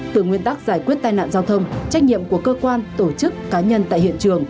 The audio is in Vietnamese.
từ nguyên tắc giải quyết tai nạn giao thông trách nhiệm của cơ quan tổ chức cá nhân tại hiện trường